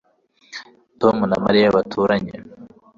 Tom na Mariya baturanye